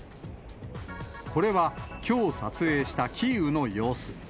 これは、きょう撮影したキーウの様子。